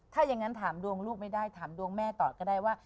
ถ้าอย่างนั้นถามดวงลูกไม่ได้ถามดวงแม่ต่อก็ได้ว่า